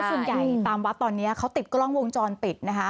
ส่วนใหญ่ตามวัดตอนนี้เขาติดกล้องวงจรปิดนะคะ